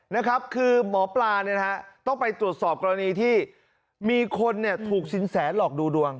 นะครับคือหมอปลาเนี่ยนะฮะต้องไปตรวจสอบกรณีที่มีคนเนี่ยถูกสินแสหลอกดูดวง